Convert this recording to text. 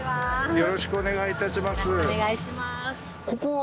よろしくお願いします。